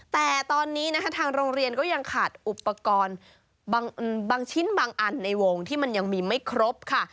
แต่ตอนนี้นะคะทางโรงเรียนก็ยังขาดอุปกรณ์บางชิ้นบางอันในวงที่มันยังมีไม่ครบค่ะ